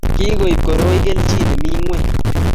Kikoib koroi kelchin nemi ngweny